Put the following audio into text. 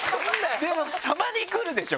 でもたまに来るでしょ？